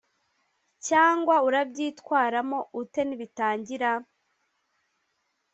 cyangwa urabyitwramo ute nibitangira.